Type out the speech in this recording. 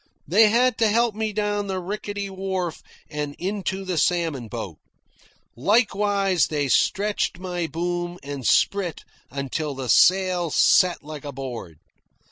They had to help me down the rickety wharf and into the salmon boat. Likewise they stretched my boom and sprit until the sail set like a board.